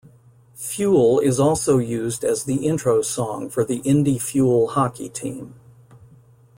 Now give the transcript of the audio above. "Fuel" is also used as the intro song for the Indy Fuel hockey team.